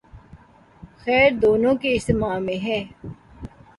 خیر دونوں کے اجتماع میں ہے۔